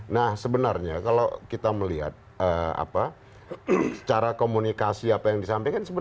nah sebenarnya kalau kita melihat secara komunikasi apa yang disampaikan